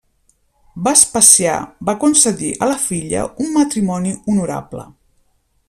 Vespasià va concedir a la filla un matrimoni honorable.